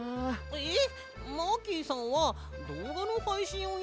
えっマーキーさんはどうがのはいしんをやるんじゃないの？